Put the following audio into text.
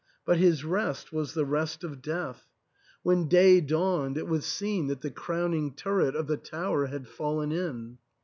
But his rest was the rest of death. When day 276 THE ENTAIL. dawned it was seen that the crowning turret of the tower had fallen in.